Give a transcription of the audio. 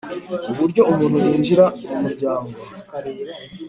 Uburyo umuntu yinjira mu muryango